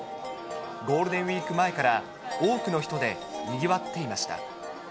ゴールデンウィーク前から多くの人でにぎわっていました。